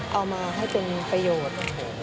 เอามาให้เป็นประโยชน์